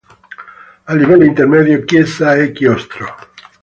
A livello intermedio chiesa e chiostro.